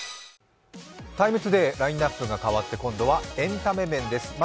「ＴＩＭＥ，ＴＯＤＡＹ」、ラインナップが変わって今度はエンタメ面です。